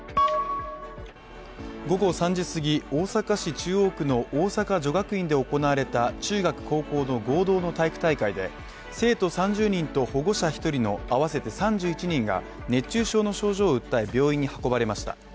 午後３時過ぎ、大阪市中央区の大阪女学院で行われた中学高校の合同の体育大会で生徒３０人と保護者１人の合わせて３１人が熱中症の症状を訴え病院に運ばれました。